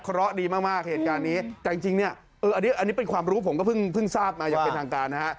เพราะดีมากเหตุการณ์นี้แต่จริงเนี่ยอันนี้เป็นความรู้ผมก็เพิ่งทราบมาอย่างเป็นทางการนะฮะ